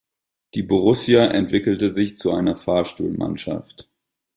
Die Borussia entwickelte sich zu einer Fahrstuhlmannschaft.